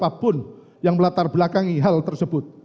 siapapun yang melatar belakangi hal tersebut